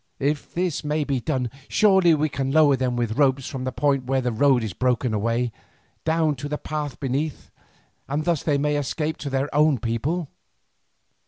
If this may be done, surely we can lower them with ropes from that point where the road is broken away, down to the path beneath, and thus they may escape to their own people."